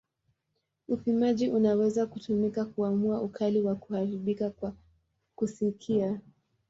Upimaji unaweza kutumika kuamua ukali wa kuharibika kwa kusikia.